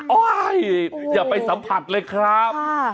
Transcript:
อย่าไปสัมผัสเลยครับ